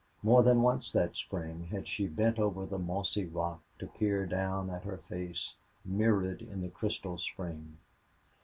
More than once that spring had she bent over the mossy rock to peer down at her face mirrored in the crystal spring.